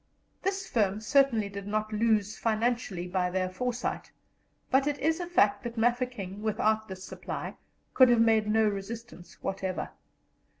This firm certainly did not lose financially by their foresight, but it is a fact that Mafeking without this supply could have made no resistance whatever.